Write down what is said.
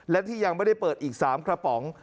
และที่ยังไม่ได้เปิดอีก๓กระป๋อง